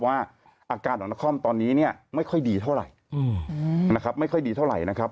ว่าอาการของนครตอนนี้ไม่ค่อยดีเท่าไหร่นะครับ